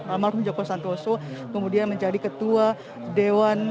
almarhum joko santoso kemudian menjadi ketua dewan